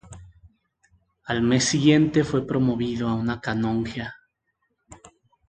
Al mes siguiente fue promovido a una canonjía.